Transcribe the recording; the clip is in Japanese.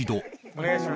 お願いします。